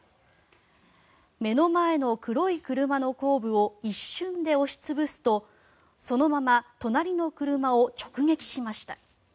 目の前の黒い車の後部を一瞬で押し潰すとそのまま隣の車を直撃しました。